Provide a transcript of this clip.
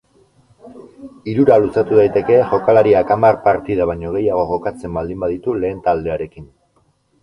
Hirura luzatu daiteke jokalariak hamar partida baino gehiago jokatzen baldin baditu lehen taldearekin.